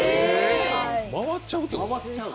回っちゃうってこと？